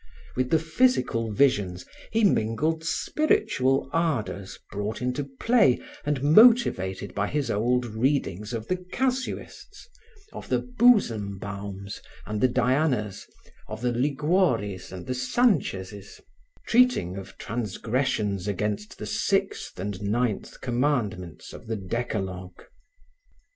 With the physical visions he mingled spiritual ardors brought into play and motivated by his old readings of the casuists, of the Busembaums and the Dianas, of the Liguoris and the Sanchezes, treating of transgressions against the sixth and ninth commandments of the Decalogue.